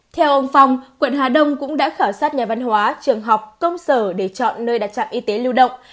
theo ông phong quận hà đông cũng đã khảo sát nhà văn hóa trường học công sở để chọn nơi đặt trạm y tế lưu động